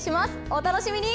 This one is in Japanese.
お楽しみに。